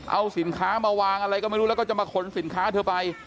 เอาสินค้ามาวางอะไรก็ไม่รู้แล้วก็จะมาขนสินค้าเธอไป